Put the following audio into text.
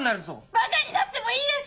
バカになってもいいです！